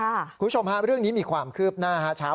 คุณผู้ชมภาพเรื่องนี้มีความคืบหน้า